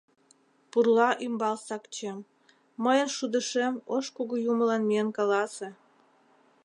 Пурла ӱмбал сакчем, мыйын шудышем ош кугу юмылан миен каласе.